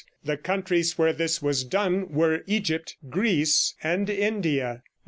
The countries where this was done were Egypt, Greece and India. 12.